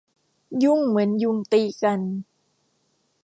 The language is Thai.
ยุ่งเหมือนยุงตีกัน